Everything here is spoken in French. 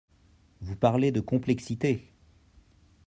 Vous parlez de complexité.